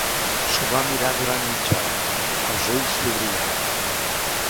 S'ho va mirar durant mitja hora, els ulls li brillaven.